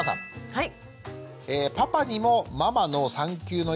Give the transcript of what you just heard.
はい。